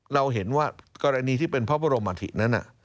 เราเห็นว่ากรณีที่เป็นพระบรมอธินั้น